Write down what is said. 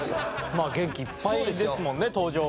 まあ元気いっぱいですもんね登場も。